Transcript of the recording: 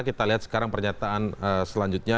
kita lihat sekarang pernyataan selanjutnya